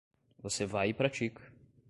Você vai e pratica.